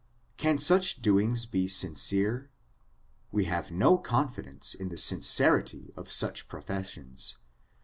Can such doings be sincere? We have no confi dence in the sincerity of such professions.